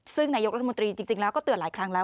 ซึ่งนายกรัฐมนตรีจริงแล้วก็เตือนหลายครั้งแล้ว